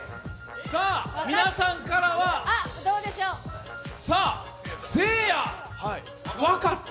皆さんからは、せいや分かった？